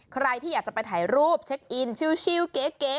ใครที่อยากจะไปถ่ายรูปเช็คอินชิลเก๊